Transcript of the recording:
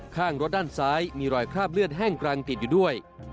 ข้างรถด้านซ้ายมีรอยคราบเลือดแห้งกรังติดอยู่ด้วย